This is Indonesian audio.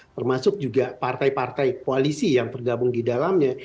termasuk juga partai partai koalisi yang tergabung di dalamnya